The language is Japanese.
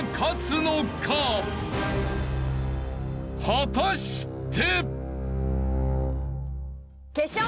果たして！